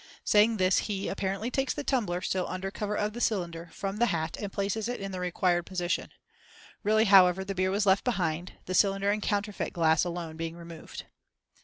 Saying this he, apparently, takes the tumbler, still under cover of the cylinder, from the hat, and places it in the required position. Really, however, the beer was left behind, the cylinder and counterfeit glass alone being removed.